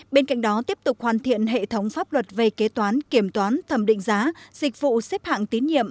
bên cạnh đó tiếp tục hoàn thiện hệ thống pháp luật về kế toán kiểm toán thẩm định giá dịch vụ xếp hạng tín nhiệm